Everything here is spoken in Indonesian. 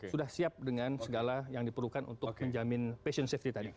sudah siap dengan segala yang diperlukan untuk menjamin passion safety tadi